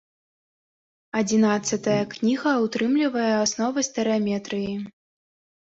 Адзінаццатая кніга ўтрымлівае асновы стэрэаметрыі.